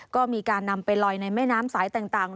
ก็มีการนำไปลอยในแม่น้ำสายต่าง